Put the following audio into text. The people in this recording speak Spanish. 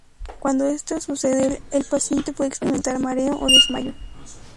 Cuando esto sucede, el paciente puede experimentar mareo o desmayo.